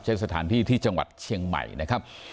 สถานที่ที่จังหวัดเชียงใหม่นะครับ